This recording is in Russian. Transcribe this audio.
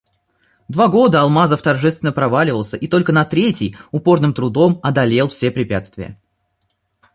Два года Алмазов торжественно проваливался и только на третий упорным трудом одолел все препятствия.